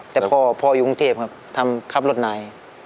แต่พ่ออยู่กรุงเทพครับทำขับรถนาย